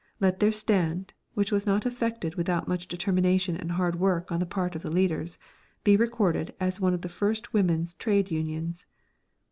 Let their stand, which was not effected without much determination and hard work on the part of the leaders, be recorded as one of the first women's trade unions.